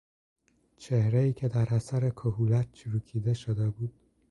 چهرهای که در اثر کهولت چروکیده شده بود